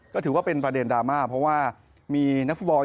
ก็ถือว่าเป็นประเด็นดราม่าเพราะว่ามีนักฟุตบอล